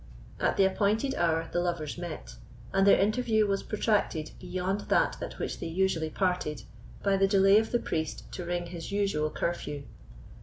At the appointed hour the lovers met, and their interview was protracted beyond that at which they usually parted, by the delay of the priest to ring his usual curfew.